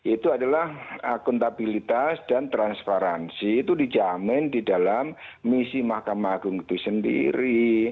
itu adalah akuntabilitas dan transparansi itu dijamin di dalam misi mahkamah agung itu sendiri